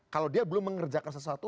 kalau dia belum mengerjakan sesuatu